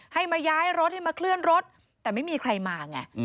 ให้มาย้ายรถให้มาเคลื่อนรถแต่ไม่มีใครมาไง